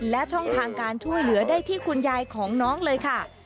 และช่องทางการช่วยเหลือได้ที่คุณยายของน้องเลยค่ะ